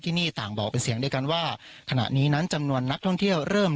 ที่นี่ต่างบอกเป็นเสียงเดียวกันว่าขณะนี้นั้นจำนวนนักท่องเที่ยวเริ่ม